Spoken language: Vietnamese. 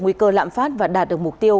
nguy cơ lạm phát và đạt được mục tiêu